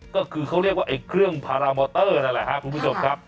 ก็คือเขาเรียกว่าไอ้เครื่องพารามอเตอร์นั่นแหละครับคุณผู้ชมครับ